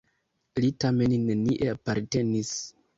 Li tamen nenie apartenis.